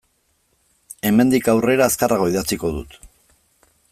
Hemendik aurrera azkarrago idatziko dut.